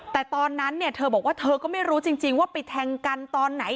แต่ตอนนั้นเนี่ยเธอบอกว่าเธอก็ไม่รู้จริงว่าไปแทงกันตอนไหน